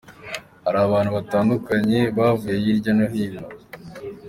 Hari abantu batandukanye bavuye hirya no hino.